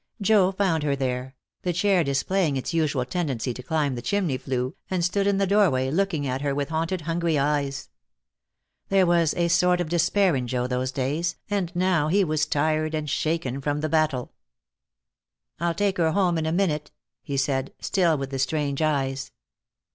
Joe found her there, the chair displaying its usual tendency to climb the chimney flue, and stood in the doorway, looking at her with haunted, hungry eyes. There was a sort of despair in Joe those days, and now he was tired and shaken from the battle. "I'll take her home in a minute," he said, still with the strange eyes.